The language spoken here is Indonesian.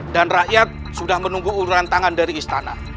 dan rakyat sudah menunggu urutan tangan dari istana